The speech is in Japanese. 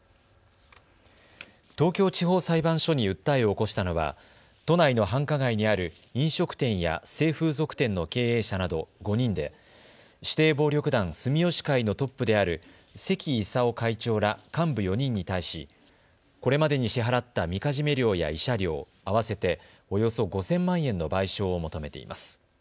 東京地方裁判所に訴えを起こしたのは都内の繁華街にある飲食店や性風俗店の経営者など５人で指定暴力団、住吉会のトップである関功会長ら幹部４人に対しこれまでに支払ったみかじめ料や慰謝料、合わせておよそ５０００万円の賠償を求めています。